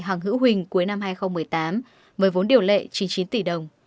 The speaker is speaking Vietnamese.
hoàng hữu huỳnh cuối năm hai nghìn một mươi tám với vốn điều lệ chín mươi chín tỷ đồng